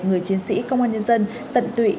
người chiến sĩ công an nhân dân tận tụy